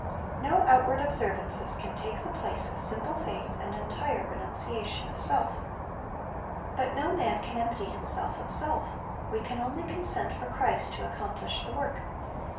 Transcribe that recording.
No outward observances can take the place of simple faith and entire renunciation of self But no man can empty himself of self We can only consent for Christ to accomplish the work.